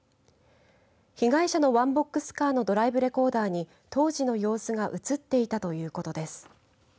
被害者のワンボックスカーのドライブレコーダーに当時の様子が映っていたということです。